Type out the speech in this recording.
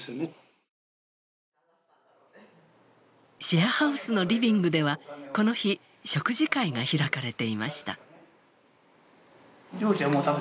シェアハウスのリビングではこの日食事会が開かれていました。